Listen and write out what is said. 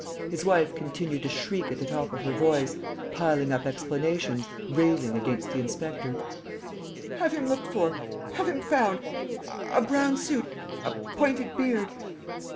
His wife continued to shriek at the top of her voice, piling up explanations, railing against the inspector: "Have him looked for!... Have him found!... A brown suit.... A pointed beard....